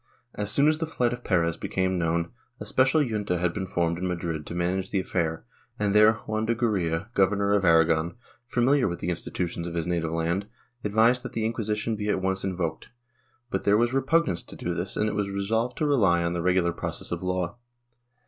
As soon as the flight of Perez became known, a special junta had been formed in Madrid to manage the affair, and there Juan de Gurrea, Governor of Aragon, familiar with the institu tions of his native land, advised that the Inquisition be at once invoked, but there was repugnance to do this and it was resolved to rely on the regular process of law.